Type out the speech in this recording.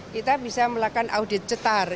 kita bisa melakukan audit cetar